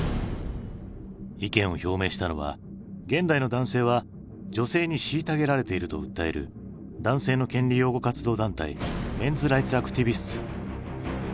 意見を表明したのは「現代の男性は女性に虐げられている」と訴える男性の権利擁護活動団体Ｍｅｎ’ｓＲｉｇｈｔｓＡｃｔｉｖｉｓｔｓ。